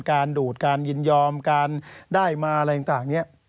ดูดการยินยอมการได้มาอะไรต่างเนี่ย